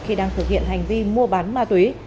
khi đang thực hiện hành vi mua bán ma túy